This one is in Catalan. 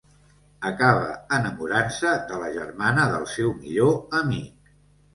Acaba enamorant-se de la germana del seu millor amic.